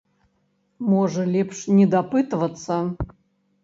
Можа, лепш не дапытвацца?